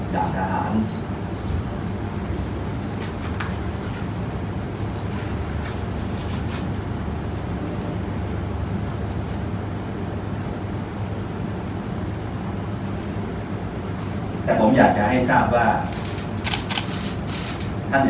หายความทรัพย์